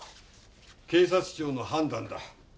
警察庁の判断だ。